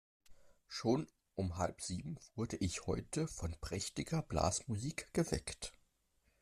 Schon um halb sieben wurde ich heute von prächtiger Blasmusik geweckt.